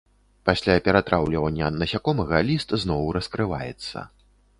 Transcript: Пасля ператраўлівання насякомага ліст зноў раскрываецца.